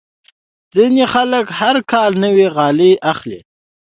ځینې خلک هر کال نوې غالۍ اخلي.